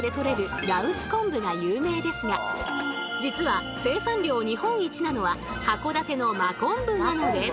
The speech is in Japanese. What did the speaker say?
羅臼昆布が有名ですが実は生産量日本一なのは函館の真昆布なのです。